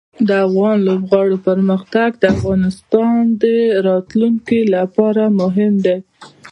د افغان لوبغاړو پرمختګ د افغانستان راتلونکې لپاره مهم دی.